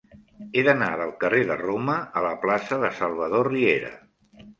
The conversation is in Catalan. He d'anar del carrer de Roma a la plaça de Salvador Riera.